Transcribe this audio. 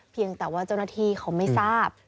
เพียงแต่ว่าเจ้าหน้าที่เขาไม่ทราบ